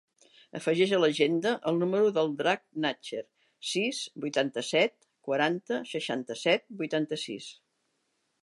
Afegeix a l'agenda el número del Drac Nacher: sis, vuitanta-set, quaranta, seixanta-set, vuitanta-sis.